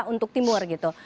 untuk timur gitu